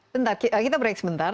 bentar kita break sebentar